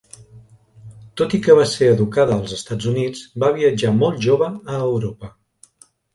Tot i que va ser educada als Estats Units, va viatjar molt jove a Europa.